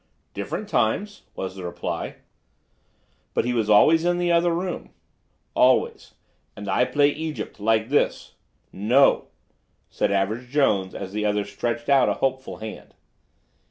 "Different times," was the placid reply. "But he was always in the other room." "Always. And I play Egypt. Like this." "No!" said Average Jones, as the other stretched out a hopeful hand.